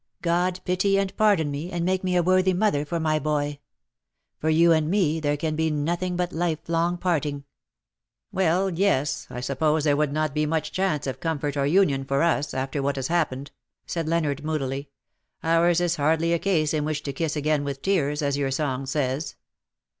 God pity and pardon me, and make me a worthy mother for my boy. For you and me there can be nothing but life long parting. ''" Well, yes, I suppose there would not be much chance of comfort or union for us, after what has happened, '' said Leonard, moodily ;" ours is hardly a case in which to kiss again with tears, as your song says.